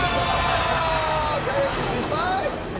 チャレンジ失敗。